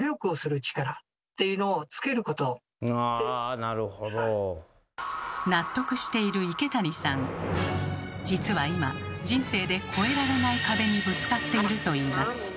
ああ納得している池谷さん実は今人生で越えられない壁にぶつかっているといいます。